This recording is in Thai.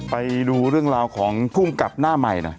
ไปดูเรื่องราวของภูมิกับหน้าใหม่หน่อย